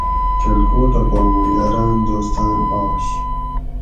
کھلکوٹہ پا مُوں یاٞراٞن دوستاٞن آش